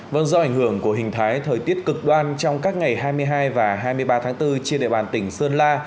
vâng do ảnh hưởng của hình thái thời tiết cực đoan trong các ngày hai mươi hai và hai mươi ba tháng bốn trên địa bàn tỉnh sơn la